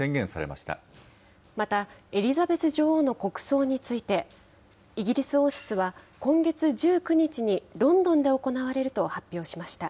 また、エリザベス女王の国葬について、イギリス王室は今月１９日にロンドンで行われると発表しました。